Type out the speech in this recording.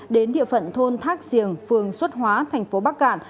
đến địa phận thôn thác giềng phường xuất hóa thành phố bắc cạn